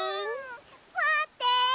まって！